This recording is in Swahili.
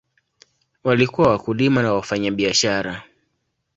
Walikuwa wakulima na wafanyabiashara.